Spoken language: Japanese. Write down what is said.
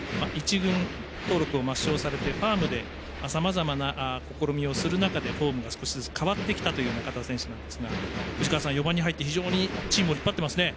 １軍登録を抹消されてファームで、さまざまな試みをする中でフォームが変わってきた中田選手なんですが、藤川さん４番に入って非常にチームを引っ張ってますね。